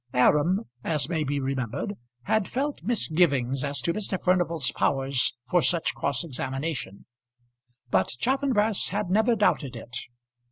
Aram, as may be remembered, had felt misgivings as to Mr. Furnival's powers for such cross examination; but Chaffanbrass had never doubted it.